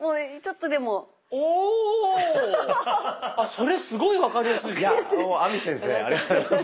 それすごい分かりやすいですよ。